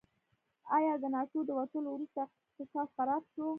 آیا د ناټو د وتلو وروسته اقتصاد خراب شو؟